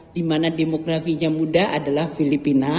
di mana demografinya muda adalah filipina